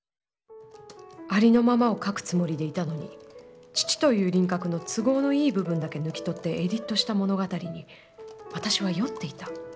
ありのままを書くつもりでいたのに父という輪郭の、都合のいい部分だけ抜き取ってエディットした物語に、私は酔っていた。